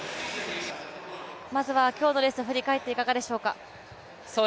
まずは今日のレースを振り返っていかがでしょうか？